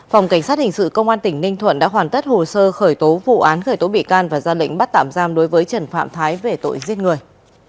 phòng cảnh sát hình sự công an tỉnh ninh thuận đã hoàn tất hồ sơ khởi tố vụ án khởi tố bị can và ra lệnh bắt tạm giam đối với trần phạm thái về tội giết người